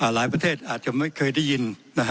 หลายประเทศอาจจะไม่เคยได้ยิน